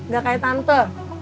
gak kayak tante